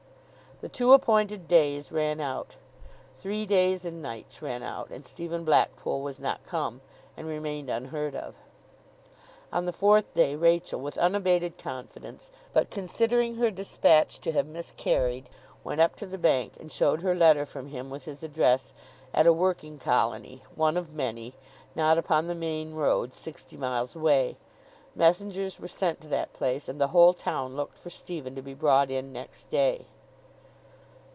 The two appointed days ran out, three days and nights ran out, and Stephen Blackpool was not come, and remained unheard of. On the fourth day, Rachael, with unabated confidence, but considering her despatch to have miscarried, went up to the Bank, and showed her letter from him with his address, at a working colony, one of many, not upon the main road, sixty miles away. Messengers were sent to that place, and the whole town looked for Stephen to be brought in next day.